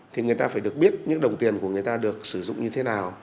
thì người ta phải được biết những đồng tiền của người ta được sử dụng như thế nào